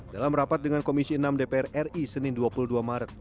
dalam rapat dengan komisi enam dpr ri senin dua puluh dua maret